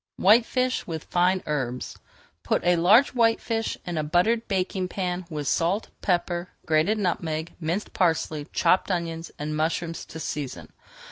WHITEFISH WITH FINE HERBS Put a large whitefish in a buttered baking pan with salt, pepper, grated nutmeg, minced parsley, chopped onions, and mushrooms to season.